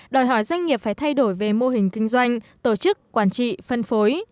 đòi hỏi doanh nghiệp phải thay đổi về mô hình kinh doanh tổ chức quản trị phân phối